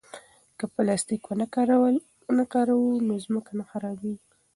که پلاستیک ونه کاروو نو ځمکه نه خرابېږي.